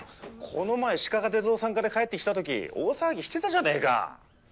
この前しかかぜ堂さんから帰ってきた時大騒ぎしてたじゃねえか！